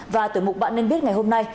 và từ mục bạn nên biết ngày hôm nay